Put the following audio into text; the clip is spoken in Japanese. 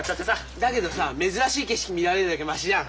だけどさ珍しい景色見られるだけマシじゃん。